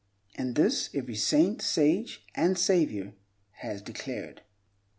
And this, every saint, sage, and savior has declared.